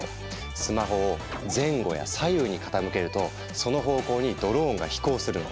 スマホを前後や左右に傾けるとその方向にドローンが飛行するの。